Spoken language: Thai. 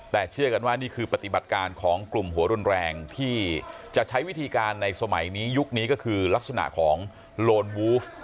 แต่เชื่อกันว่านี่คือปฏิบัติการของกลุ่มหัวรุนแรงที่จะใช้วิธีการในสมัยนี้ยุคนี้ก็คือลักษณะของโลนวูฟ